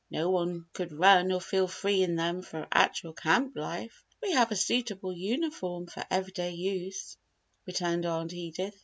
No one could run or feel free in them for actual camp life. We have a suitable uniform for every day use," returned Aunt Edith.